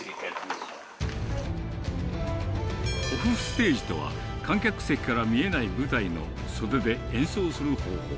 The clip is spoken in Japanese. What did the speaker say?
オフステージとは、観客席から見えない舞台の袖で演奏する方法。